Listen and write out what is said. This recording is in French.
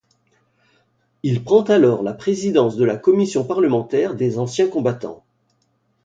Il prend alors la présidence de la commission parlementaire des Anciens combattants.